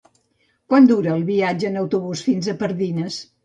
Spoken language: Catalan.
Quant dura el viatge en autobús fins a Pardines?